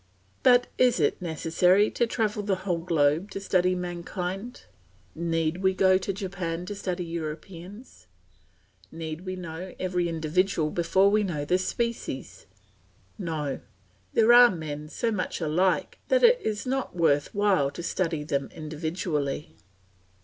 But is it necessary to travel the whole globe to study mankind? Need we go to Japan to study Europeans? Need we know every individual before we know the species? No, there are men so much alike that it is not worth while to study them individually.